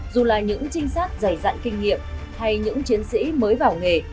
dù là những trinh sát dày dặn kinh nghiệm hay những chiến sĩ mới vào nghề